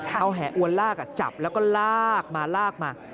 เอาแห่อวนลากจับแล้วก็ลากมาลากมา